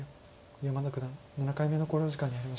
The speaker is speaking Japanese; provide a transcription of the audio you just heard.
山田九段７回目の考慮時間に入りました。